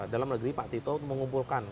dalam negeri pak tito mengumpulkan